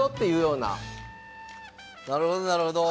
なるほどなるほど。